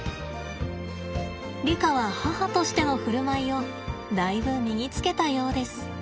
リカは母としての振る舞いをだいぶ身につけたようです。